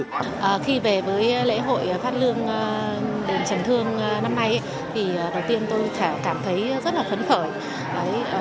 khi về với lễ hội phát lương đền trần thương năm nay thì đầu tiên tôi cảm thấy rất là phấn khởi